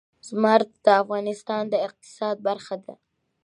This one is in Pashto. زمرد د افغانستان د اقتصاد برخه ده.